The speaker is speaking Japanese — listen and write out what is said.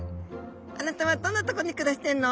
あなたはどんなとこに暮らしてんの？